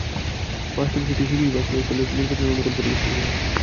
বাস্তবে সেটি সিকি ভাগ প্রয়োগ করলেও নির্বাচনের অনুকূল পরিবেশ তৈরি হবে।